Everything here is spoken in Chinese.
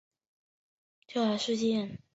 各政党以及相关协会要求新疆当局调查事件。